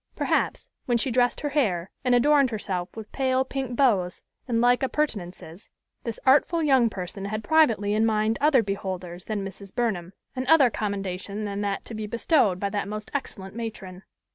Perhaps, when she dressed her hair, and adorned herself with pale pink bows and like appurtenances, this artful young person had privately in mind other beholders than Mrs. Burnham, and other commendation than that to be bestowed by that most excellent matron.